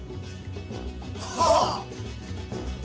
はっ！